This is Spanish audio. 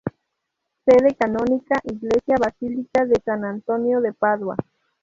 Sede Canónica: Iglesia-Basílica de San Antonio de Padua.